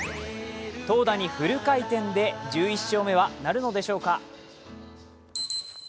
投打にフル回転で１１勝目はなるのでしょうか。